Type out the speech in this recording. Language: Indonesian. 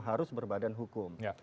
harus berbadan hukum